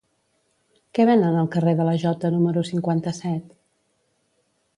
Què venen al carrer de la Jota número cinquanta-set?